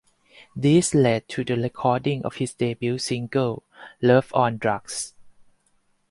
This led to the recording of his debut single "Love on Drugs".